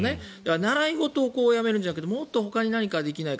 習い事をやめるんじゃなくてもっとほかに何かできないか。